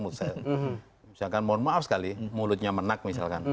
misalkan mohon maaf sekali mulutnya menak misalkan